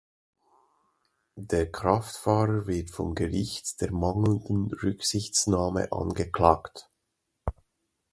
Der Kraftfahrer wird vom Gericht der mangelnden Rücksichtnahme angeklagt.